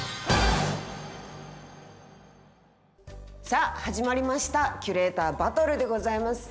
さあ始まりました「キュレーターバトル！！」でございます。